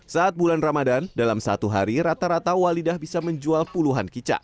saat bulan ramadan dalam satu hari rata rata walidah bisa menjual puluhan kicak